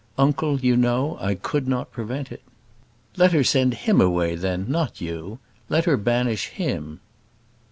Uncle, you know I could not prevent it." "Let her send him away then, not you; let her banish him."